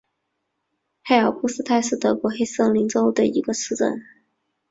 黑尔布斯泰因是德国黑森州的一个市镇。